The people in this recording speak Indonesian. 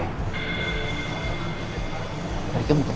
sambil nunggu kita